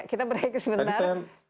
kita berhenti sebentar